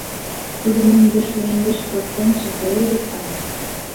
— Тудын индешле индеш процентше веле докан.